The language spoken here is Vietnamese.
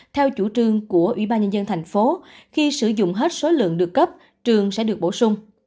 theo chủ trường của ubnd tp hcm khi sử dụng hết số lượng được cấp trường sẽ được bổ sung